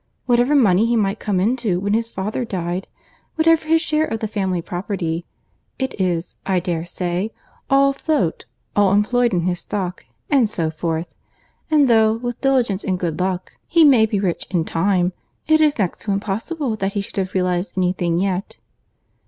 Whatever money he might come into when his father died, whatever his share of the family property, it is, I dare say, all afloat, all employed in his stock, and so forth; and though, with diligence and good luck, he may be rich in time, it is next to impossible that he should have realised any thing yet."